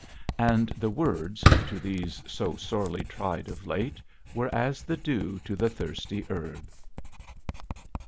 And the words, to these so sorely tried of late, were as the dew to the thirsty herb.